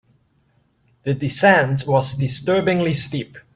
The descent was disturbingly steep.